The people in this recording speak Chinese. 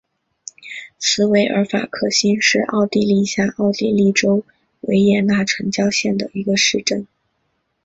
茨韦尔法克兴是奥地利下奥地利州维也纳城郊县的一个市镇。